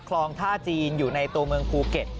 คลองท่าจีนอยู่ในตัวเมืองภูเก็ต